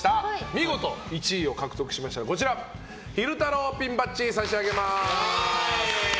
見事１位を獲得しましたらこちらの昼太郎ピンバッジを差し上げます。